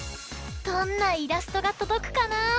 どんなイラストがとどくかな！